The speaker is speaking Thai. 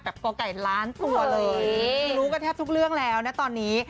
ก่อไก่ล้านตัวเลยคือรู้กันแทบทุกเรื่องแล้วนะตอนนี้